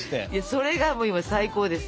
それがもう今最高です。